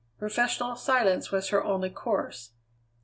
Professional silence was her only course.